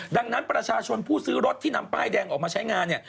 ดังนั้นประชาชนผู้ซื้อรถที่นำป้ายแดงออกมาใช้งานเนี่ย